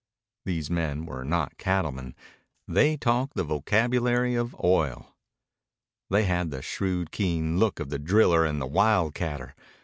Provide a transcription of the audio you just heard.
These men were not cattlemen. They talked the vocabulary of oil. They had the shrewd, keen look of the driller and the wildcatter.